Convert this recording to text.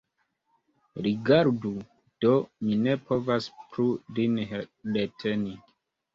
Rigardu do, mi ne povas plu lin reteni.